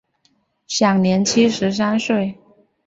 享年七十三岁。